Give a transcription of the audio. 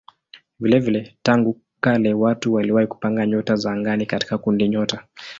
Vilevile tangu kale watu waliwahi kupanga nyota za angani katika kundinyota.